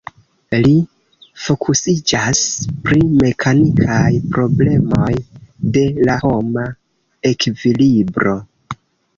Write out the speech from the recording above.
Li fokusiĝas pri mekanikaj problemoj de la homa ekvilibro.